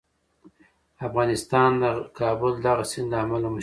افغانستان د کابل د دغه سیند له امله مشهور دی.